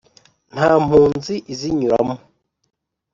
Nta mpunzi izinyuramo